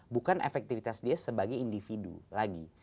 bukan efektivitas dia sebagai individu lagi